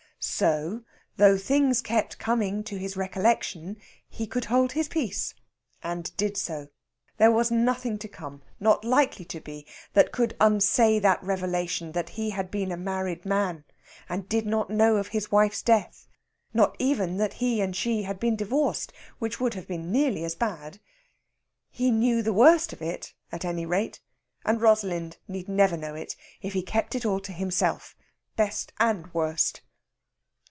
So, though things kept coming to his recollection, he could hold his peace, and did so. There was nothing to come not likely to be that could unsay that revelation that he had been a married man, and did not know of his wife's death; not even that he and she had been divorced, which would have been nearly as bad. He knew the worst of it, at any rate, and Rosalind need never know it if he kept it all to himself, best and worst.